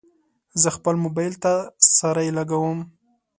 زه خپل موبایل ته سرۍ لګوم.